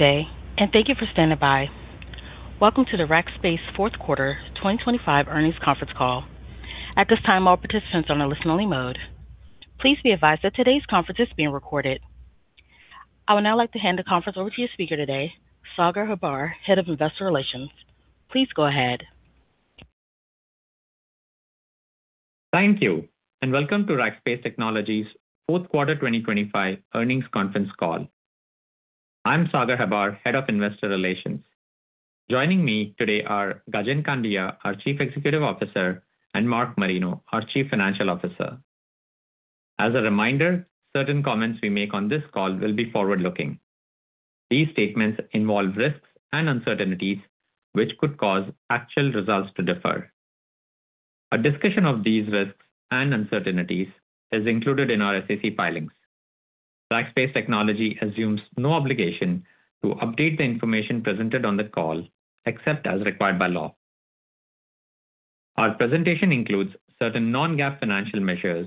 Good day and thank you for standing by. Welcome to the Rackspace Fourth Quarter 2025 Earnings Conference call. At this time, all participants are on a listen-only mode. Please be advised that today's conference is being recorded. I would now like to hand the conference over to your speaker today, Sagar Hebbar, Head of Investor Relations. Please go ahead. Thank you. Welcome to Rackspace Technology's Fourth Quarter 2025 Earnings Conference call. I'm Sagar Hebbar, Head of Investor Relations. Joining me today are Gajen Kandiah, our Chief Executive Officer, and Mark Marino, our Chief Financial Officer. As a reminder, certain comments we make on this call will be forward-looking. These statements involve risks and uncertainties, which could cause actual results to differ. A discussion of these risks and uncertainties is included in our SEC filings. Rackspace Technology assumes no obligation to update the information presented on the call, except as required by law. Our presentation includes certain non-GAAP financial measures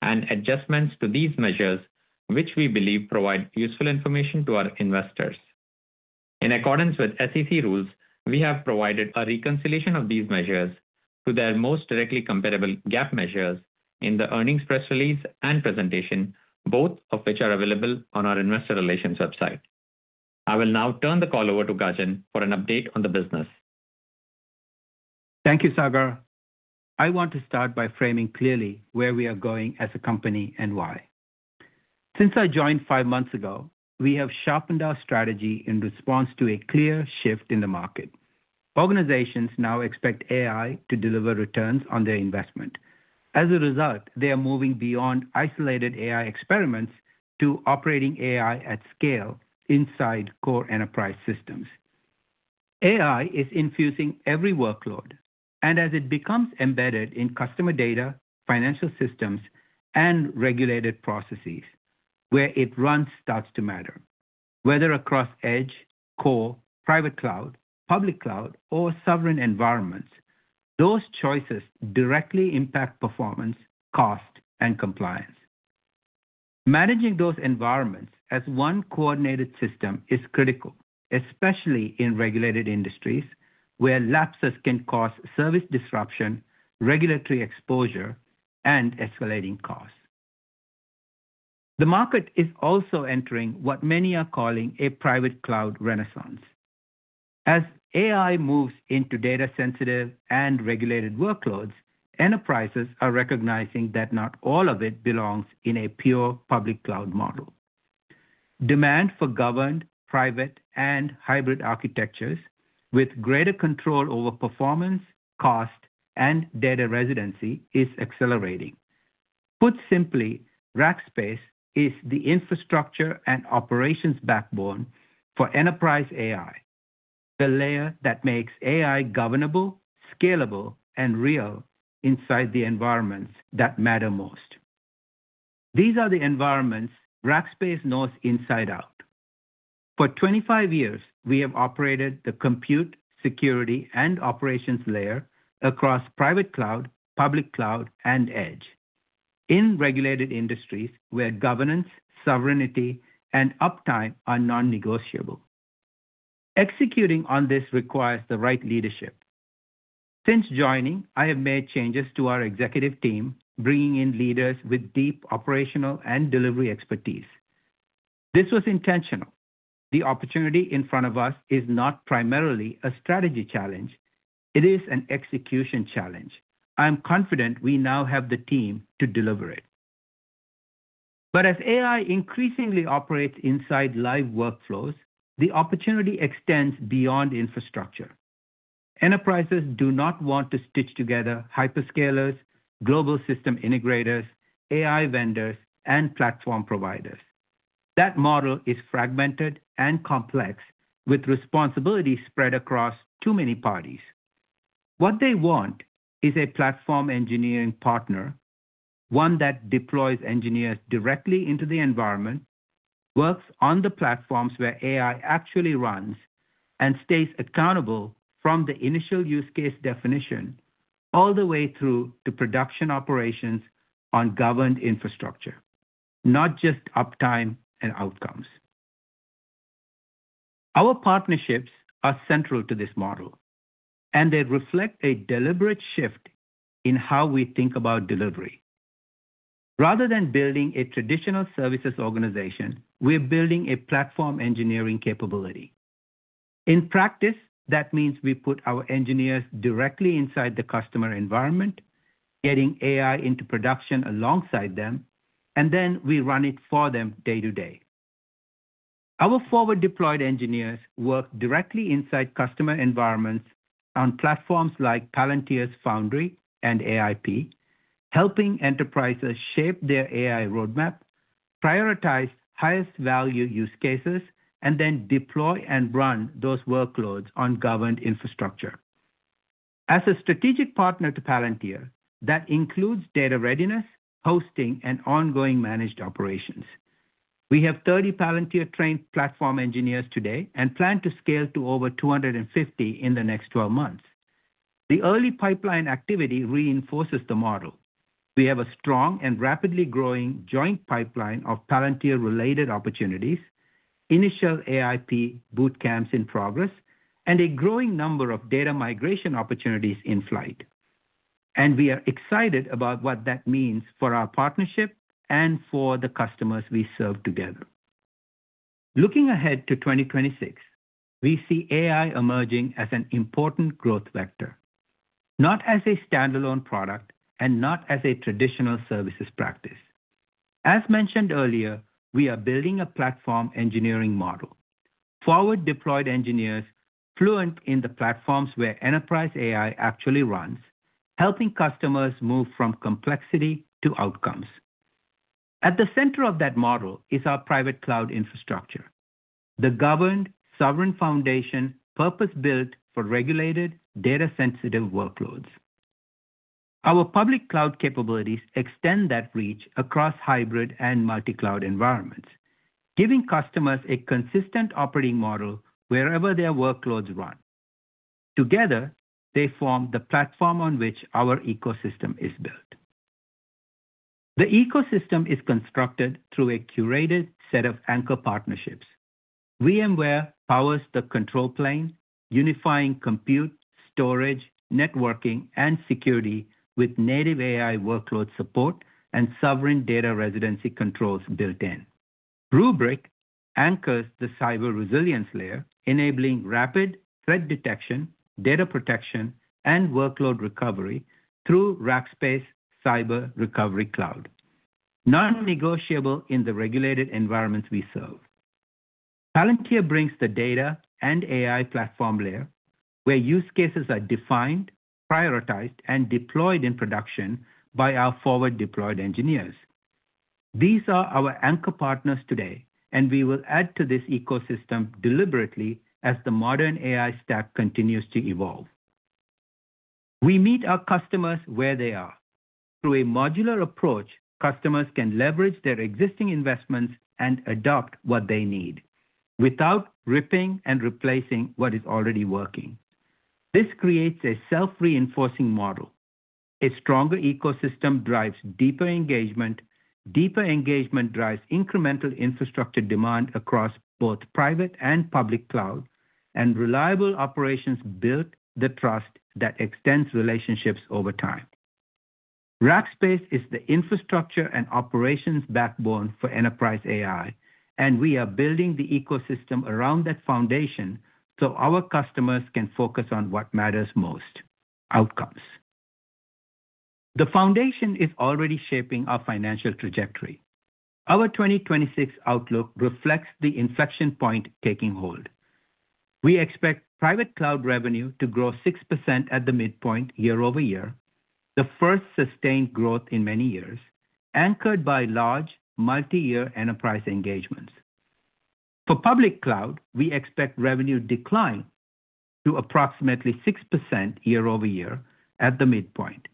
and adjustments to these measures, which we believe provide useful information to our investors. In accordance with SEC rules, we have provided a reconciliation of these measures to their most directly comparable GAAP measures in the earnings press release and presentation, both of which are available on our investor relations website. I will now turn the call over to Gajen for an update on the business. Thank you, Sagar. I want to start by framing clearly where we are going as a company and why. Since I joined 5 months ago, we have sharpened our strategy in response to a clear shift in the market. Organizations now expect AI to deliver returns on their investment. As a result, they are moving beyond isolated AI experiments to operating AI at scale inside core enterprise systems. AI is infusing every workload, and as it becomes embedded in customer data, financial systems, and regulated processes, where it runs starts to matter. Whether across edge, core, private cloud, public cloud, or sovereign environments, those choices directly impact performance, cost, and compliance. Managing those environments as one coordinated system is critical, especially in regulated industries, where lapses can cause service disruption, regulatory exposure, and escalating costs. The market is also entering what many are calling a private cloud renaissance. As AI moves into data-sensitive and regulated workloads, enterprises are recognizing that not all of it belongs in a pure public cloud model. Demand for governed, private, and hybrid architectures with greater control over performance, cost, and data residency is accelerating. Put simply, Rackspace is the infrastructure and operations backbone for enterprise AI, the layer that makes AI governable, scalable, and real inside the environments that matter most. These are the environments Rackspace knows inside out. For 25 years, we have operated the compute, security, and operations layer across private cloud, public cloud, and edge in regulated industries where governance, sovereignty, and uptime are non-negotiable. Executing on this requires the right leadership. Since joining, I have made changes to our executive team, bringing in leaders with deep operational and delivery expertise. This was intentional. The opportunity in front of us is not primarily a strategy challenge; it is an execution challenge. As AI increasingly operates inside live workflows, the opportunity extends beyond infrastructure. Enterprises do not want to stitch together hyperscalers, global system integrators, AI vendors, and platform providers. That model is fragmented and complex, with responsibility spread across too many parties. What they want is a platform engineering partner, one that deploys engineers directly into the environment, works on the platforms where AI actually runs, and stays accountable from the initial use case definition all the way through to production operations on governed infrastructure, not just uptime and outcomes. Our partnerships are central to this model, and they reflect a deliberate shift in how we think about delivery. Rather than building a traditional services organization, we're building a platform engineering capability. In practice, that means we put our engineers directly inside the customer environment, getting AI into production alongside them, and then we run it for them day to day. Our forward-deployed engineers work directly inside customer environments on platforms like Palantir's Foundry and AIP, helping enterprises shape their AI roadmap, prioritize highest value use cases, and then deploy and run those workloads on governed infrastructure. As a strategic partner to Palantir, that includes data readiness, hosting, and ongoing managed operations. We have 30 Palantir-trained platform engineers today and plan to scale to over 250 in the next 12 months. The early pipeline activity reinforces the model. We have a strong and rapidly growing joint pipeline of Palantir-related opportunities, initial AIP boot camps in progress, and a growing number of data migration opportunities in flight. We are excited about what that means for our partnership and for the customers we serve together. Looking ahead to 2026, we see AI emerging as an important growth vector, not as a standalone product and not as a traditional services practice. As mentioned earlier, we are building a platform engineering model. Forward deployed engineers, fluent in the platforms where enterprise AI actually runs, helping customers move from complexity to outcomes. At the center of that model is our private cloud infrastructure, the governed, sovereign foundation, purpose-built for regulated data-sensitive workloads. Our public cloud capabilities extend that reach across hybrid and multi-cloud environments, giving customers a consistent operating model wherever their workloads run. Together, they form the platform on which our ecosystem is built. The ecosystem is constructed through a curated set of anchor partnerships. VMware powers the control plane, unifying compute, storage, networking, and security with native AI workload support and sovereign data residency controls built in. Rubrik anchors the cyber resilience layer, enabling rapid threat detection, data protection, and workload recovery through Rackspace Cyber Recovery Cloud. Non-negotiable in the regulated environments we serve. Palantir brings the data and AI platform layer, where use cases are defined, prioritized, and deployed in production by our forward deployed engineers. These are our anchor partners today, and we will add to this ecosystem deliberately as the modern AI stack continues to evolve. We meet our customers where they are. Through a modular approach, customers can leverage their existing investments and adopt what they need without ripping and replacing what is already working. This creates a self-reinforcing model. A stronger ecosystem drives deeper engagement. Deeper engagement drives incremental infrastructure demand across both private and public cloud, and reliable operations build the trust that extends relationships over time. Rackspace is the infrastructure and operations backbone for enterprise AI, and we are building the ecosystem around that foundation so our customers can focus on what matters most: outcomes. The foundation is already shaping our financial trajectory. Our 2026 outlook reflects the inflection point taking hold. We expect private cloud revenue to grow 6% at the midpoint year-over-year, the first sustained growth in many years, anchored by large, multi-year enterprise engagements. For public cloud, we expect revenue decline to approximately 6% year-over-year at the midpoint,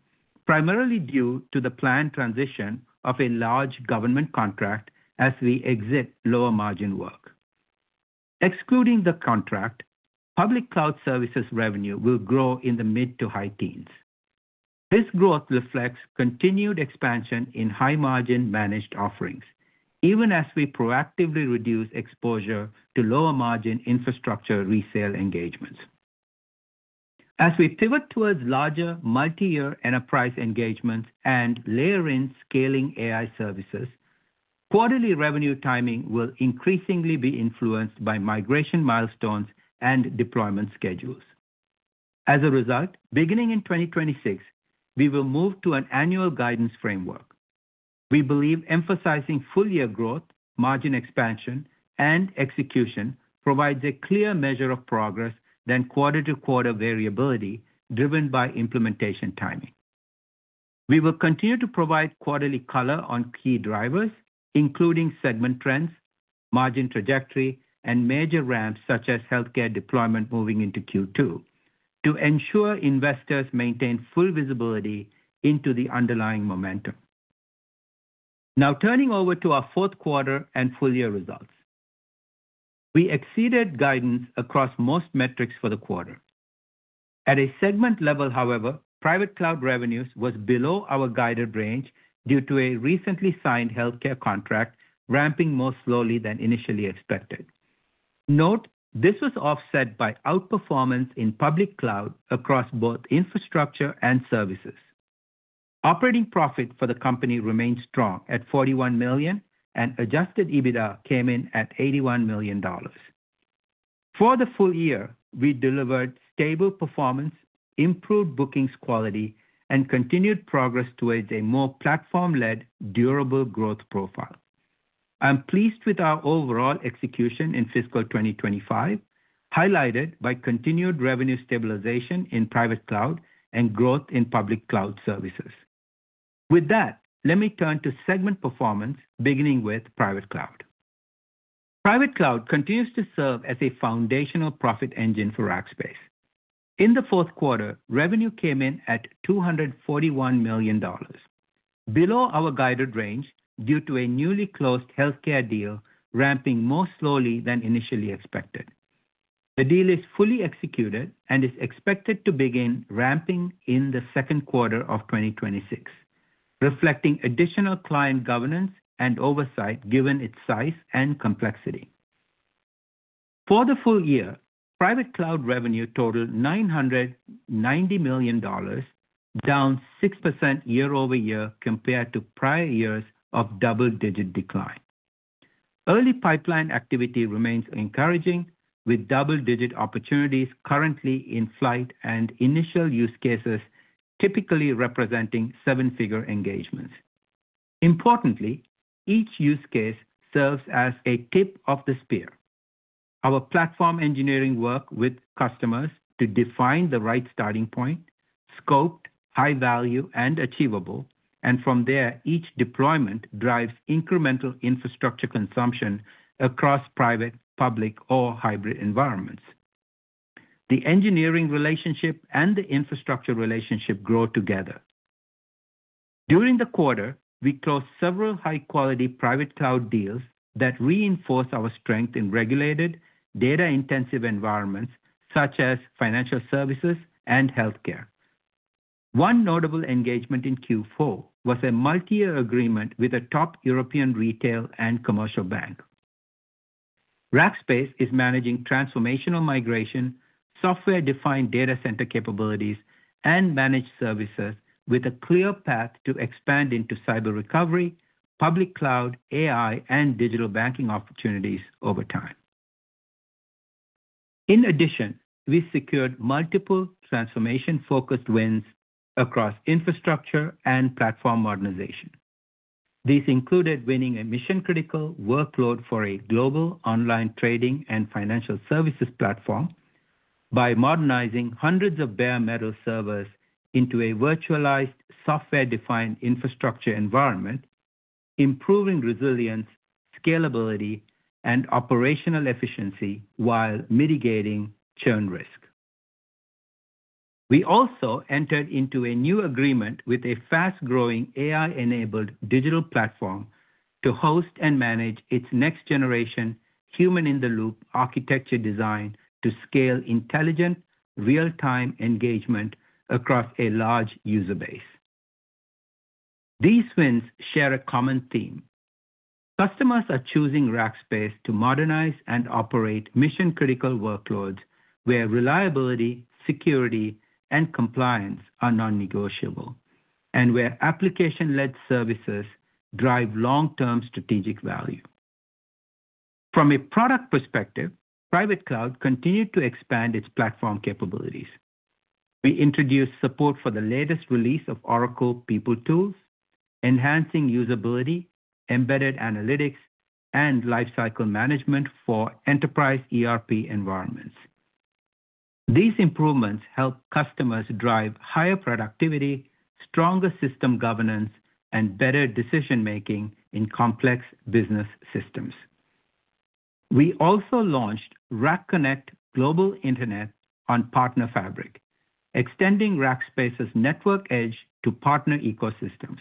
primarily due to the planned transition of a large government contract as we exit lower margin work. Excluding the contract, public cloud services revenue will grow in the mid to high teens. This growth reflects continued expansion in high-margin managed offerings, even as we proactively reduce exposure to lower margin infrastructure resale engagements. As we pivot towards larger, multi-year enterprise engagements and layer in scaling AI services, quarterly revenue timing will increasingly be influenced by migration milestones and deployment schedules. Beginning in 2026, we will move to an annual guidance framework. We believe emphasizing full-year growth, margin expansion, and execution provides a clear measure of progress than quarter-to-quarter variability driven by implementation timing. We will continue to provide quarterly color on key drivers, including segment trends, margin trajectory, and major ramps, such as healthcare deployment moving into Q2, to ensure investors maintain full visibility into the underlying momentum. Turning over to our fourth quarter and full-year results. We exceeded guidance across most metrics for the quarter. At a segment level, however, private cloud revenues was below our guided range due to a recently signed healthcare contract ramping more slowly than initially expected. Note, this was offset by outperformance in public cloud across both infrastructure and services. Operating profit for the company remained strong at $41 million, and adjusted EBITDA came in at $81 million. For the full year, we delivered stable performance, improved bookings quality, and continued progress towards a more platform-led, durable growth profile. I'm pleased with our overall execution in fiscal 2025, highlighted by continued revenue stabilization in private cloud and growth in public cloud services. With that, let me turn to segment performance, beginning with private cloud. Private cloud continues to serve as a foundational profit engine for Rackspace. In the fourth quarter, revenue came in at $241 million. below our guided range due to a newly closed healthcare deal ramping more slowly than initially expected. The deal is fully executed and is expected to begin ramping in the second quarter of 2026, reflecting additional client governance and oversight given its size and complexity. For the full year, private cloud revenue totaled $990 million, down 6% year-over-year compared to prior years of double-digit decline. Early pipeline activity remains encouraging, with double-digit opportunities currently in flight and initial use cases typically representing seven-figure engagements. Importantly, each use case serves as a tip of the spear. Our platform engineering work with customers to define the right starting point, scoped, high value, and achievable, and from there, each deployment drives incremental infrastructure consumption across private, public, or hybrid environments. The engineering relationship and the infrastructure relationship grow together. During the quarter, we closed several high-quality private cloud deals that reinforce our strength in regulated data-intensive environments such as financial services and healthcare. One notable engagement in Q4 was a multi-year agreement with a top European retail and commercial bank. Rackspace is managing transformational migration, software-defined data center capabilities, and managed services with a clear path to expand into cyber recovery, public cloud, AI, and digital banking opportunities over time. We secured multiple transformation-focused wins across infrastructure and platform modernization. These included winning a mission-critical workload for a global online trading and financial services platform by modernizing hundreds of bare metal servers into a virtualized software-defined infrastructure environment, improving resilience, scalability, and operational efficiency while mitigating churn risk. We also entered into a new agreement with a fast-growing AI-enabled digital platform to host and manage its next generation human-in-the-loop architecture design to scale intelligent, real-time engagement across a large user base. These wins share a common theme. Customers are choosing Rackspace to modernize and operate mission-critical workloads where reliability, security, and compliance are non-negotiable, and where application-led services drive long-term strategic value. From a product perspective, private cloud continued to expand its platform capabilities. We introduced support for the latest release of Oracle PeopleTools, enhancing usability, embedded analytics, and lifecycle management for enterprise ERP environments. These improvements help customers drive higher productivity, stronger system governance, and better decision-making in complex business systems. We also launched RackConnect Global Internet on Partner Fabric, extending Rackspace's network edge to partner ecosystems.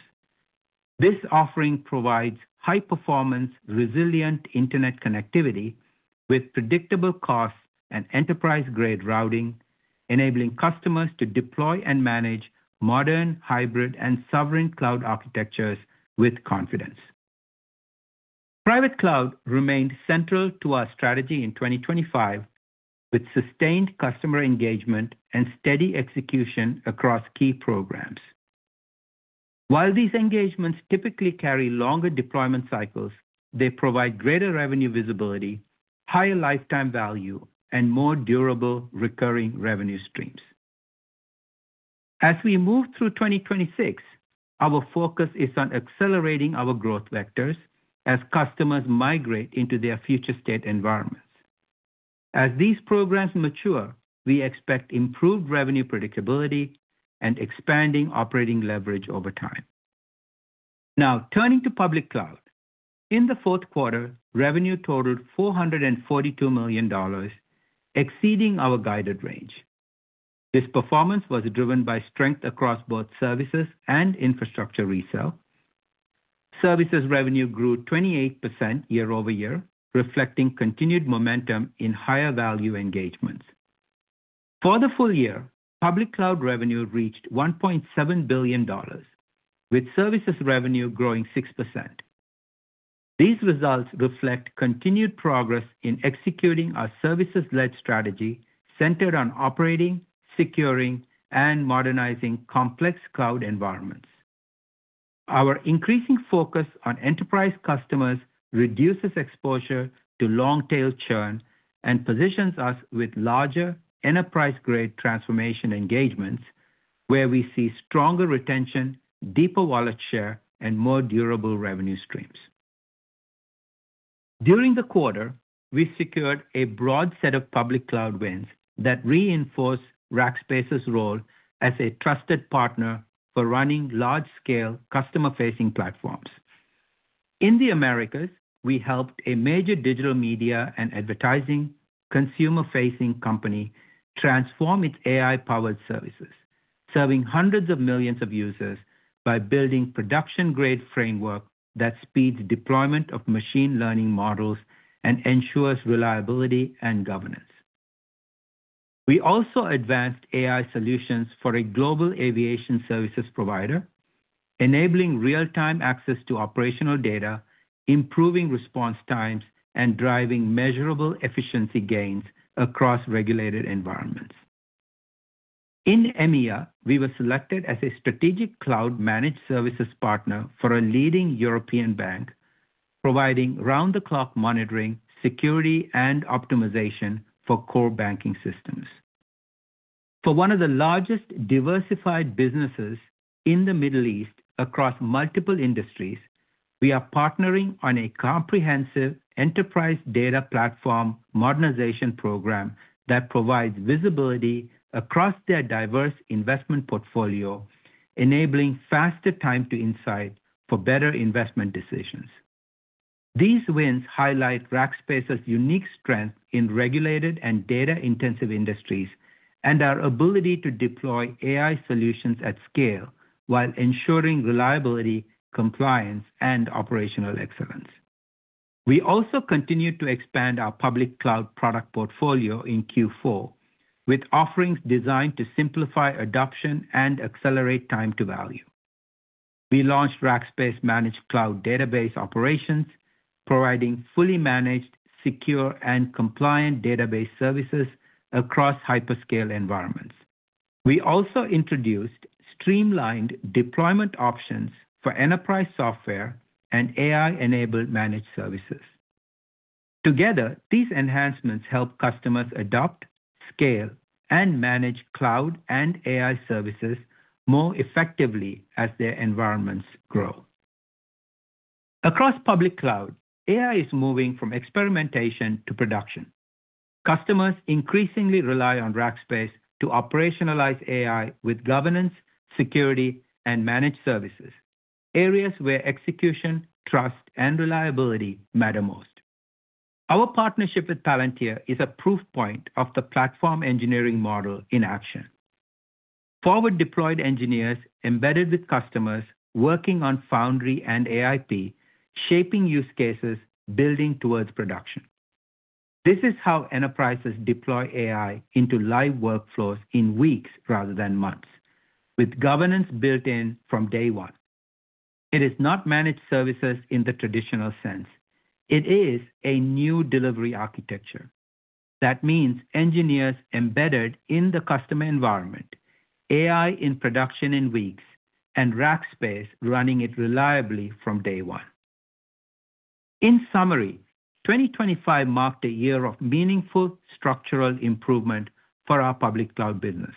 This offering provides high-performance, resilient internet connectivity with predictable costs and enterprise-grade routing, enabling customers to deploy and manage modern, hybrid, and sovereign cloud architectures with confidence. Private cloud remained central to our strategy in 2025, with sustained customer engagement and steady execution across key programs. While these engagements typically carry longer deployment cycles, they provide greater revenue visibility, higher lifetime value, and more durable recurring revenue streams. As we move through 2026, our focus is on accelerating our growth vectors as customers migrate into their future state environments. As these programs mature, we expect improved revenue predictability and expanding operating leverage over time. Turning to public cloud. In the fourth quarter, revenue totaled $442 million, exceeding our guided range. This performance was driven by strength across both services and infrastructure resale. Services revenue grew 28% year-over-year, reflecting continued momentum in higher value engagements. For the full year, public cloud revenue reached $1.7 billion, with services revenue growing 6%. These results reflect continued progress in executing our services-led strategy centered on operating, securing, and modernizing complex cloud environments. Our increasing focus on enterprise customers reduces exposure to long-tail churn and positions us with larger enterprise-grade transformation engagements, where we see stronger retention, deeper wallet share, and more durable revenue streams. During the quarter, we secured a broad set of public cloud wins that reinforce Rackspace's role as a trusted partner for running large-scale customer-facing platforms. In the Americas, we helped a major digital media and advertising consumer-facing company transform its AI-powered services, serving hundreds of millions of users by building production-grade framework that speeds deployment of machine learning models and ensures reliability and governance. We also advanced AI solutions for a global aviation services provider, enabling real-time access to operational data, improving response times, and driving measurable efficiency gains across regulated environments. In EMEA, we were selected as a strategic cloud managed services partner for a leading European bank, providing round-the-clock monitoring, security, and optimization for core banking systems. For one of the largest diversified businesses in the Middle East across multiple industries, we are partnering on a comprehensive enterprise data platform modernization program that provides visibility across their diverse investment portfolio, enabling faster time to insight for better investment decisions. These wins highlight Rackspace's unique strength in regulated and data-intensive industries, and our ability to deploy AI solutions at scale while ensuring reliability, compliance, and operational excellence. We also continued to expand our public cloud product portfolio in Q4, with offerings designed to simplify adoption and accelerate time to value. We launched Rackspace Managed Cloud Database Operations, providing fully managed, secure, and compliant database services across hyperscale environments. We also introduced streamlined deployment options for enterprise software and AI-enabled managed services. Together, these enhancements help customers adopt, scale, and manage cloud and AI services more effectively as their environments grow. Across public cloud, AI is moving from experimentation to production. Customers increasingly rely on Rackspace to operationalize AI with governance, security, and managed services, areas where execution, trust, and reliability matter most. Our partnership with Palantir is a proof point of the platform engineering model in action. Forward-deployed engineers embedded with customers working on Foundry and AIP, shaping use cases, building towards production. This is how enterprises deploy AI into live workflows in weeks rather than months, with governance built in from day one. It is not managed services in the traditional sense. It is a new delivery architecture. That means engineers embedded in the customer environment, AI in production in weeks, and Rackspace running it reliably from day one. In summary, 2025 marked a year of meaningful structural improvement for our public cloud business.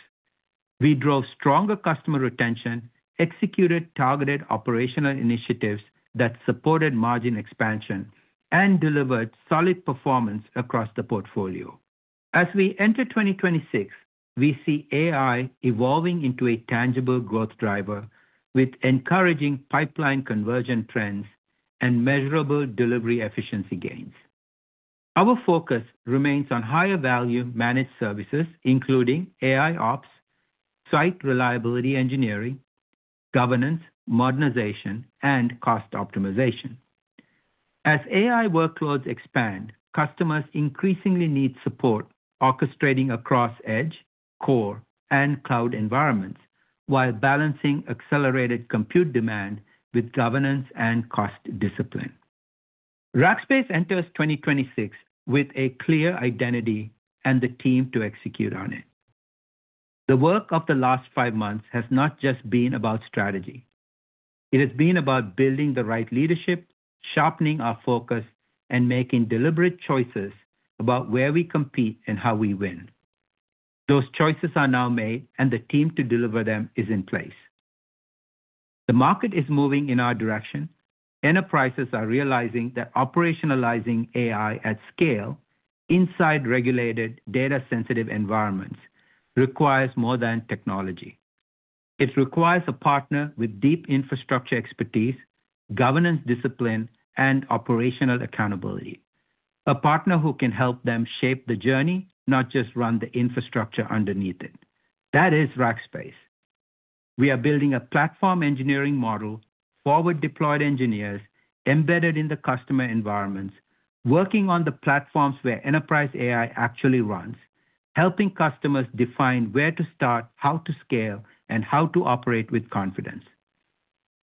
We drove stronger customer retention, executed targeted operational initiatives that supported margin expansion, and delivered solid performance across the portfolio. As we enter 2026, we see AI evolving into a tangible growth driver with encouraging pipeline conversion trends and measurable delivery efficiency gains. Our focus remains on higher value managed services, including AIOps, site reliability engineering, governance, modernization, and cost optimization. As AI workloads expand, customers increasingly need support orchestrating across edge, core, and cloud environments while balancing accelerated compute demand with governance and cost discipline. Rackspace enters 2026 with a clear identity and the team to execute on it. The work of the last 5 months has not just been about strategy. It has been about building the right leadership, sharpening our focus, and making deliberate choices about where we compete and how we win. Those choices are now made, the team to deliver them is in place. The market is moving in our direction. Enterprises are realizing that operationalizing AI at scale inside regulated, data-sensitive environments requires more than technology. It requires a partner with deep infrastructure expertise, governance discipline, and operational accountability. A partner who can help them shape the journey, not just run the infrastructure underneath it. That is Rackspace. We are building a platform engineering model, forward-deployed engineers embedded in the customer environments, working on the platforms where enterprise AI actually runs, helping customers define where to start, how to scale, and how to operate with confidence.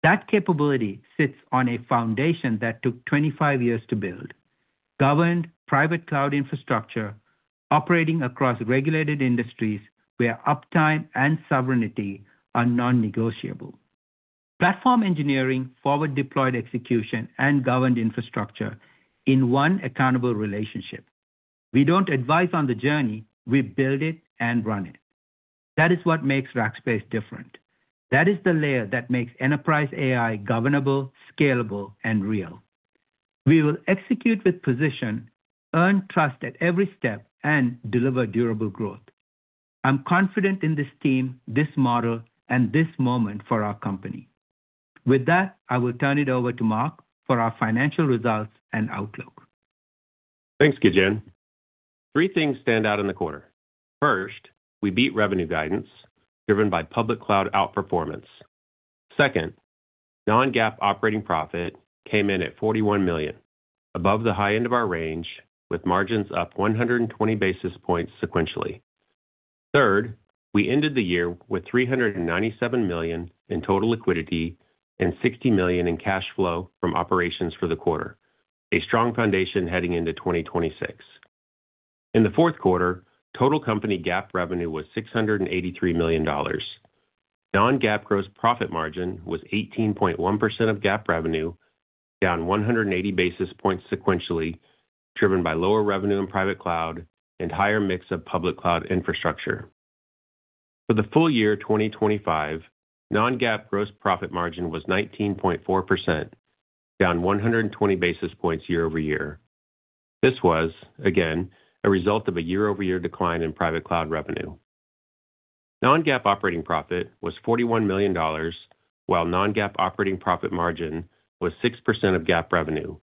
That capability sits on a foundation that took 25 years to build: governed private cloud infrastructure, operating across regulated industries where uptime and sovereignty are non-negotiable. Platform engineering, forward-deployed execution, and governed infrastructure in one accountable relationship. We don't advise on the journey. We build it and run it. That is what makes Rackspace different. That is the layer that makes enterprise AI governable, scalable, and real. We will execute with precision, earn trust at every step, and deliver durable growth. I'm confident in this team, this model, and this moment for our company. With that, I will turn it over to Mark for our financial results and outlook. Thanks, Gajen. Three things stand out in the quarter: First, we beat revenue guidance, driven by public cloud outperformance. Second, non-GAAP operating profit came in at $41 million, above the high end of our range, with margins up 120 basis points sequentially. Third, we ended the year with $397 million in total liquidity and $60 million in cash flow from operations for the quarter, a strong foundation heading into 2026. In the fourth quarter, total company GAAP revenue was $683 million. Non-GAAP gross profit margin was 18.1% of GAAP revenue, down 180 basis points sequentially, driven by lower revenue in private cloud and higher mix of public cloud infrastructure. For the full year 2025, non-GAAP gross profit margin was 19.4%, down 120 basis points year-over-year. This was, again, a result of a year-over-year decline in private cloud revenue. Non-GAAP operating profit was $41 million, while non-GAAP operating profit margin was 6% of GAAP revenue,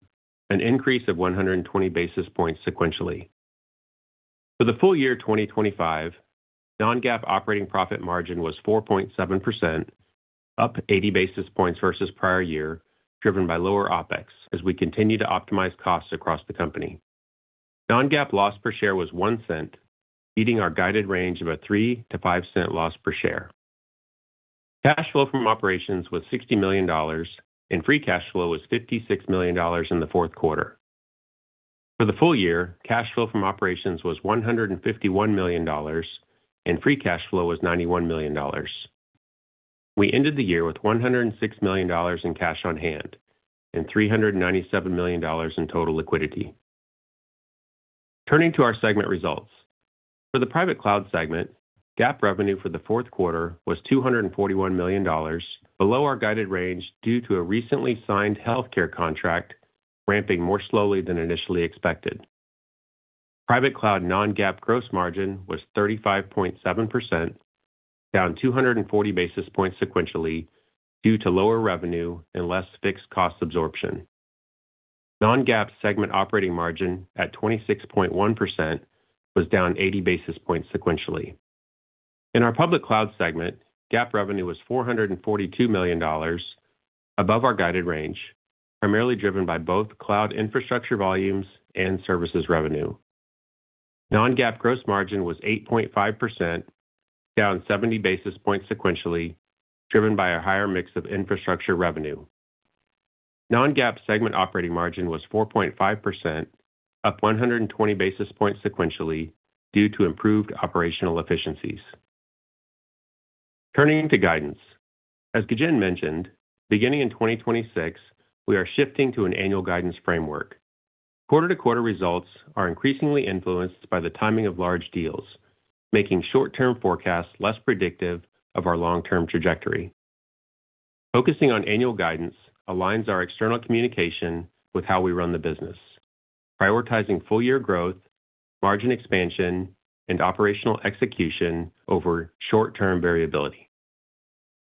an increase of 120 basis points sequentially. For the full year 2025, non-GAAP operating profit margin was 4.7%, up 80 basis points versus prior year, driven by lower OpEx as we continue to optimize costs across the company. Non-GAAP loss per share was $0.01, beating our guided range of a $0.03-$0.05 loss per share. Cash flow from operations was $60 million, and free cash flow was $56 million in the fourth quarter. For the full year, cash flow from operations was $151 million, and free cash flow was $91 million. We ended the year with $106 million in cash on hand and $397 million in total liquidity. Turning to our segment results. For the private cloud segment, GAAP revenue for the fourth quarter was $241 million, below our guided range due to a recently signed healthcare contract ramping more slowly than initially expected. Private cloud non-GAAP gross margin was 35.7%, down 240 basis points sequentially due to lower revenue and less fixed cost absorption. Non-GAAP segment operating margin at 26.1% was down 80 basis points sequentially. In our public cloud segment, GAAP revenue was $442 million, above our guided range, primarily driven by both cloud infrastructure volumes and services revenue. Non-GAAP gross margin was 8.5%, down 70 basis points sequentially, driven by a higher mix of infrastructure revenue. Non-GAAP segment operating margin was 4.5%, up 120 basis points sequentially due to improved operational efficiencies. Turning to guidance. As Gajen mentioned, beginning in 2026, we are shifting to an annual guidance framework. Quarter-to-quarter results are increasingly influenced by the timing of large deals, making short-term forecasts less predictive of our long-term trajectory. Focusing on annual guidance aligns our external communication with how we run the business, prioritizing full-year growth, margin expansion, and operational execution over short-term variability.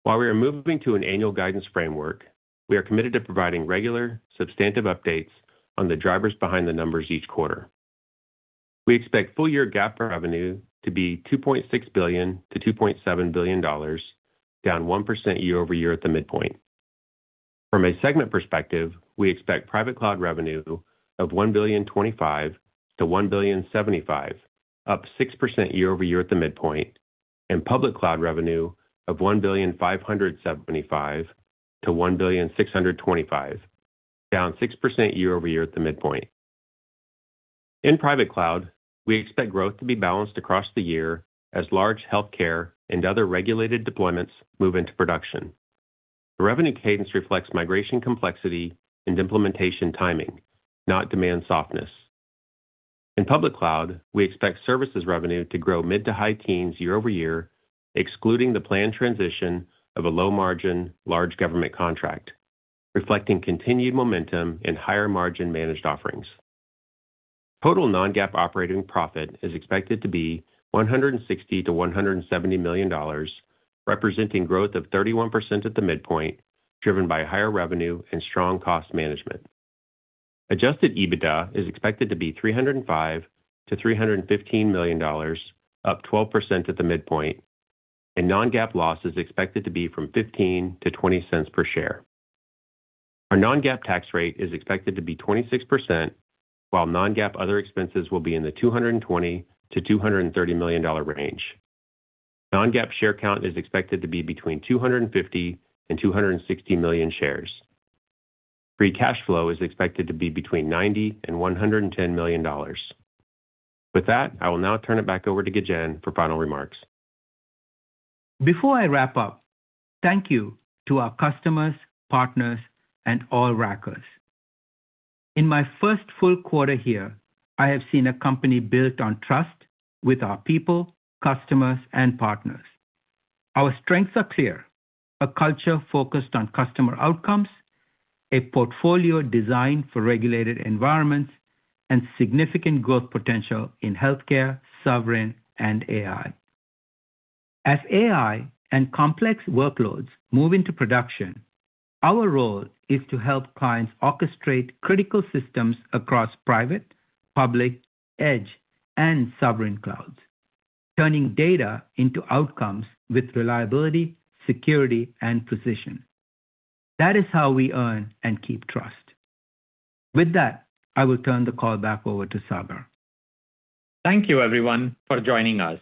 While we are moving to an annual guidance framework, we are committed to providing regular, substantive updates on the drivers behind the numbers each quarter. We expect full-year GAAP revenue to be $2.6 billion-$2.7 billion, down 1% year-over-year at the midpoint. From a segment perspective, we expect private cloud revenue of $1.025 billion-$1.075 billion, up 6% year-over-year at the midpoint, and public cloud revenue of $1.575 billion-$1.625 billion, down 6% year-over-year at the midpoint. In private cloud, we expect growth to be balanced across the year as large healthcare and other regulated deployments move into production. The revenue cadence reflects migration complexity and implementation timing, not demand softness. In public cloud, we expect services revenue to grow mid to high teens year-over-year, excluding the planned transition of a low-margin, large government contract, reflecting continued momentum and higher margin managed offerings. Total non-GAAP operating profit is expected to be $160 million-$170 million, representing growth of 31% at the midpoint, driven by higher revenue and strong cost management. Adjusted EBITDA is expected to be $305 million-$315 million, up 12% at the midpoint, and non-GAAP loss is expected to be from $0.15-$0.20 per share. Our non-GAAP tax rate is expected to be 26%, while non-GAAP other expenses will be in the $220 million-$230 million range. Non-GAAP share count is expected to be between 250 and 260 million shares. Free cash flow is expected to be between $90 million and $110 million. With that, I will now turn it back over to Gajen for final remarks. Before I wrap up, thank you to our customers, partners, and all Rackers. In my first full quarter here, I have seen a company built on trust with our people, customers, and partners. Our strengths are clear: a culture focused on customer outcomes, a portfolio designed for regulated environments, and significant growth potential in healthcare, sovereign, and AI. As AI and complex workloads move into production, our role is to help clients orchestrate critical systems across private, public, edge, and sovereign clouds, turning data into outcomes with reliability, security, and precision. That is how we earn and keep trust. With that, I will turn the call back over to Sagar. Thank you everyone for joining us.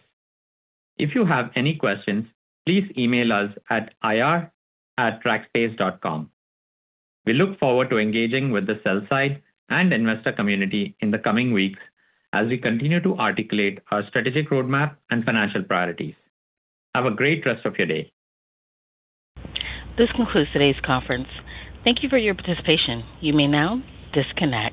If you have any questions, please email us at ir@rackspace.com. We look forward to engaging with the sell side and investor community in the coming weeks as we continue to articulate our strategic roadmap and financial priorities. Have a great rest of your day. This concludes today's conference. Thank you for your participation. You may now disconnect.